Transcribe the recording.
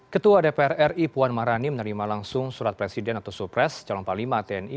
ketua dpr ri puan marani menerima langsung surat presiden atau supres calon panglima tni